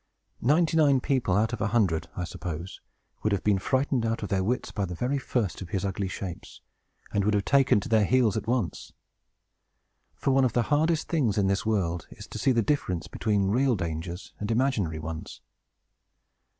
Ninety nine people out of a hundred, I suppose, would have been frightened out of their wits by the very first of his ugly shapes, and would have taken to their heels at once. For, one of the hardest things in this world is, to see the difference between real dangers and imaginary ones.